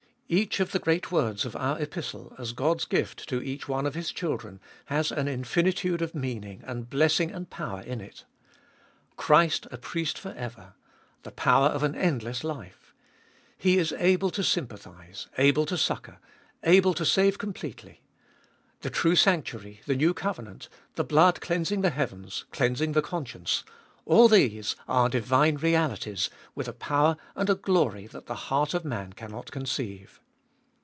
Each of the great words of our Epistle, as God's gift to each one of His children, has an infinitude of meaning and blessing and power in it. Christ a Priest for ever; the power of an endless life; He is able to sympathise, able to succour, able to save com pletely ; the true sanctuary, the new covenant, the blood cleans ing the heavens, cleansing the conscience, — all these are divine realities, with a power and a glory that the heart of man cannot conceive.